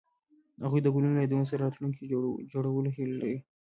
هغوی د ګلونه له یادونو سره راتلونکی جوړولو هیله لرله.